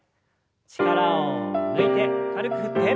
力を抜いて軽く振って。